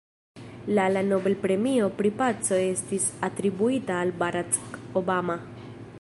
La la Nobel-premio pri paco estis atribuita al Barack Obama.